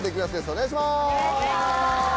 お願いします！